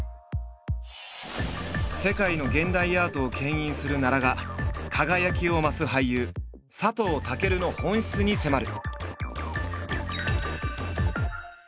世界の現代アートをけん引する奈良が輝きを増す俳優佐藤健の本質に迫る！